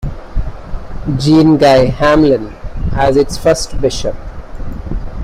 Jean-Guy Hamelin as its first bishop.